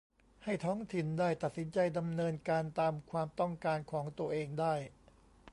ให้ท้องถิ่นได้ตัดสินใจดำเนินการตามความต้องการของตัวเองได้